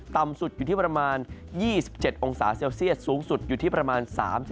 ต่ำสุดอยู่ที่ประมาณ๒๗๓๒๓๓องศาเซลเซียน